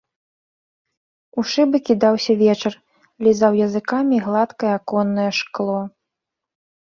У шыбы кідаўся вечар, лізаў языкамі гладкае аконнае шкло.